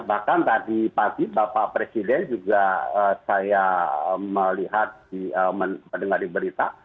bahkan tadi pagi bapak presiden juga saya melihat mendengar di berita